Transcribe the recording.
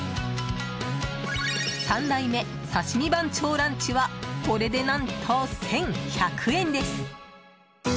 三代目刺身番長ランチはこれで何と、１１００円です。